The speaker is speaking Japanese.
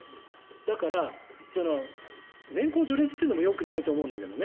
だから、年功序列というのもよくないと思うんですけどね。